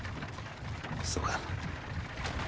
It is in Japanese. そうか。